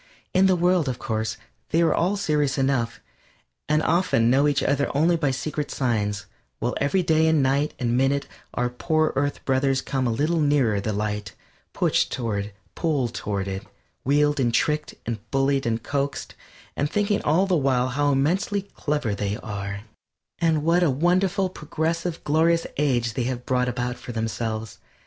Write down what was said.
In the world, of course, they are all serious enough, and often know each other only by secret signs, while every day and night and minute our poor earth brothers come a little nearer the light pushed toward it, pulled toward it, wheedled and trickled and bullied and coaxed, and thinking all the while how immensely clever they are, and what a wonderful progressive, glorious age they have brought about for themselves.